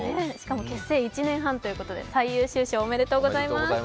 結成１年半ということで、最優秀賞、おめでとうございます。